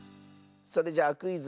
それじゃあ「クイズ！